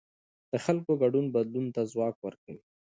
د خلکو ګډون بدلون ته ځواک ورکوي